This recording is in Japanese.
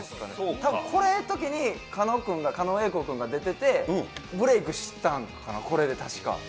たぶん、これのときに狩野君が、狩野英孝君が出てて、ブレークしたんです、これで確か。